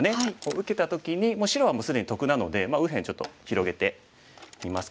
受けた時に白はもう既に得なので右辺ちょっと広げてみますかね。